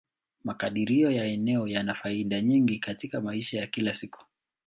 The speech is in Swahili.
Makadirio ya eneo yana faida nyingi katika maisha ya kila siku.